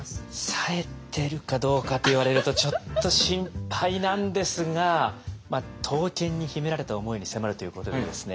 冴えてるかどうかと言われるとちょっと心配なんですが刀剣に秘められた思いに迫るということでですね